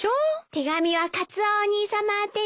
手紙はカツオお兄さま宛てよ。